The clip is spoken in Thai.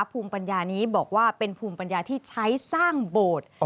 ภูมิปัญญานี้บอกว่าเป็นภูมิปัญญาที่ใช้สร้างโบสถ์